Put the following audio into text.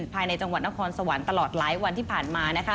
ภายในจังหวัดนครสวรรค์ตลอดหลายวันที่ผ่านมา